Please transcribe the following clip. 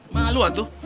malu ah tuh